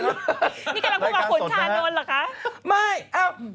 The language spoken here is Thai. นี่กำลังพูดกับขุนชานนท์เหรอคะ